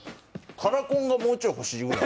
カラコンがもうちょい欲しいくらい。